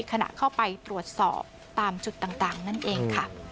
ขณะเข้าไปตรวจสอบตามจุดต่างนั่นเองค่ะ